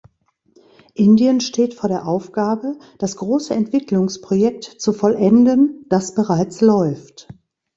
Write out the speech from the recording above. Indien steht vor der Aufgabe, das große Entwicklungsprojekt zu vollenden, das bereits läuft.